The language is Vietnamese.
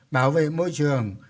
bảo vệ môi trường